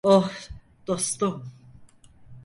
Oh, dostum.